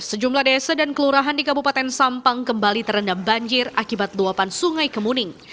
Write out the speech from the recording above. sejumlah desa dan kelurahan di kabupaten sampang kembali terendam banjir akibat luapan sungai kemuning